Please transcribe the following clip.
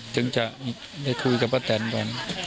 ถึงจะได้คุยกับป้าแตนก่อน